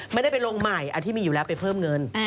ไม่ได้ไปลงใหม่อันที่มีอยู่แล้วไปเพิ่มเงิน